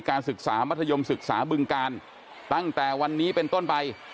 ศึกษามัธยมศึกษาบึงการตั้งแต่วันนี้เป็นต้นไป